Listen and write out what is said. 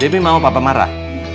debbie mau papa marah